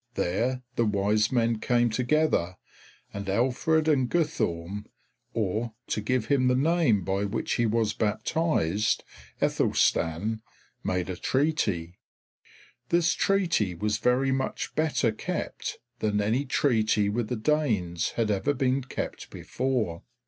There the Wise Men came together, and Alfred and Guthorm (or, to give him the name by which he was baptised, Aethelstan) made a treaty. This treaty was very much better kept than any treaty with the Danes had ever been kept before.